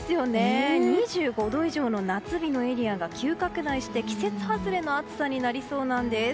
２５度以上の夏日のエリアが急拡大して季節外れの暑さになりそうなんです。